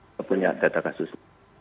kita punya data kasusnya